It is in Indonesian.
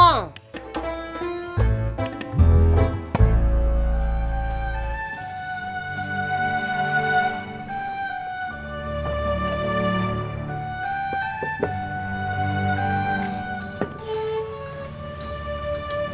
apa apa dong kalau toko anturin bass